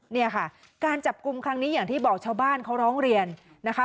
เนี่ยค่ะการจับกลุ่มครั้งนี้อย่างที่บอกชาวบ้านเขาร้องเรียนนะคะ